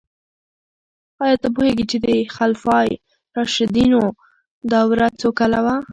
آیا ته پوهیږې چې د خلفای راشدینو دوره څو کاله وه؟